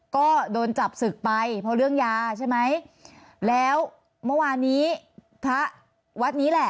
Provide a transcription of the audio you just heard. ก็โดนจับศึกไปเพราะเรื่องยาใช่ไหมแล้วเมื่อวานนี้พระวัดนี้แหละ